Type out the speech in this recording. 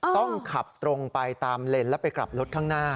ต้องขับตรงไปตามเลนแล้วไปกลับรถข้างหน้า